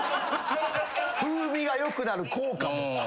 「風味がよくなる効果も」